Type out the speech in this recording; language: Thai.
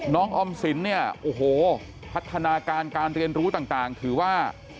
น้องอำสินฯนี่พัฒนาการการเรียนรู้ต่างถือว่า